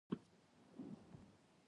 خو ویې نه کړ ښایي د ټولنې پوهه یې کمه وي